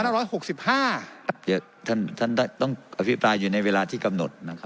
เดี๋ยวท่านต้องอภิปรายอยู่ในเวลาที่กำหนด